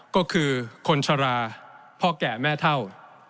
ก็คือคนชะลาพ่อแก่แม่เท่า